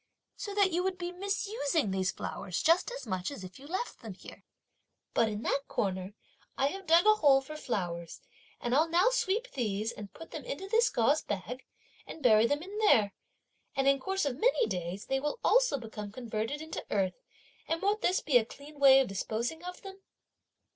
so that you would be misusing these flowers just as much as if you left them here! But in that corner, I have dug a hole for flowers, and I'll now sweep these and put them into this gauze bag and bury them in there; and, in course of many days, they will also become converted into earth, and won't this be a clean way (of disposing of them)?"